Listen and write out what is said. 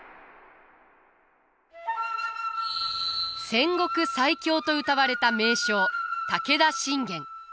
戦国最強とうたわれた名将武田信玄。